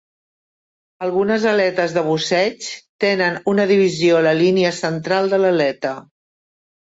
Algunes aletes de busseig tenen una divisió la línia central de l'aleta.